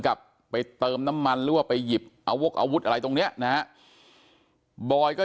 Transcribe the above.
กับไปเติมน้ำมันหรือว่าไปหยิบเอาวกอาวุธอะไรตรงเนี้ยนะฮะบอยก็